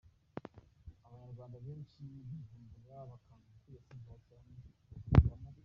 abanyarwanda benshi bivumbura bakanga ubutegetsi bwa cyami bagahitamo